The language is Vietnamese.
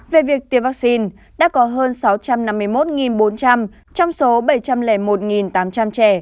về việc tiêm vaccine đã có hơn sáu trăm năm mươi một bốn trăm linh trong số bảy trăm linh một tám trăm linh trẻ